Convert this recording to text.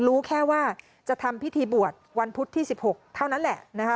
รู้แค่ว่าจะทำพิธีบวชวันพุธที่๑๖เท่านั้นแหละนะคะ